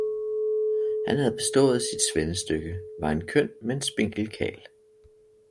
Han havde bestået sit svendestykke, var en køn, men spinkel karl.